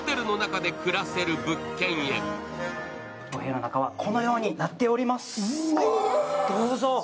お部屋の中はこのようになっております、どうぞ。